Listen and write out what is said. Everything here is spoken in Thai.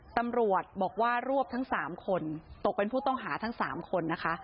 ตำรวจบอกว่ารวบทั้ง๓คนตกเป็นผู้ต้องหาทั้ง๓คนนะคะ